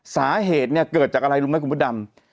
สาเหตุเนี่ยเกิดจากอะไรรู้ไหมคุณพระดำ